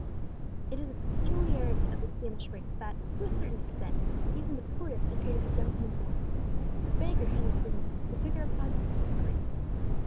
It is a peculiarity of the Spanish race that, to a certain extent, even the poorest appear to be gentlemen born. The beggar has his dignity; the picker of pockets his grace.